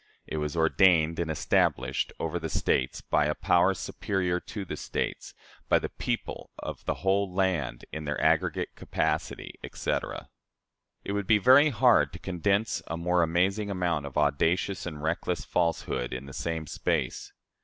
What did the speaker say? It was 'ordained and established' over the States by a power superior to the States; by the people of the whole land in their aggregate capacity," etc. It would be very hard to condense a more amazing amount of audacious and reckless falsehood in the same space.